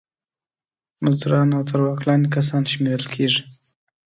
مزدوران او تر واک لاندې کسان شمېرل کیږي.